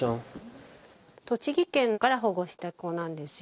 栃木県から保護した子なんですよ。